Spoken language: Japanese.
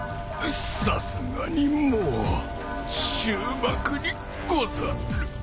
さすがにもう終幕にござる。